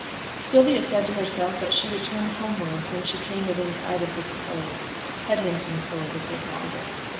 Sylvia said to herself that she would turn homewards when she came within sight of this cove, Headlington Cove, they called it.